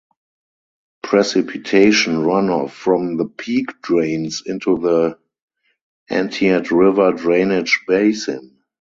Precipitation runoff from the peak drains into the Entiat River drainage basin.